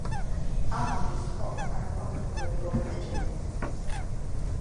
Often these cults are a form of political religion.